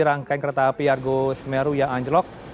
rangkaian kereta api argo semeru yang anjlok